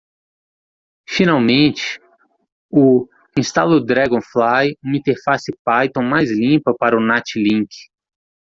Finalmente o? instala o Dragonfly? uma interface Python mais limpa para o NatLink.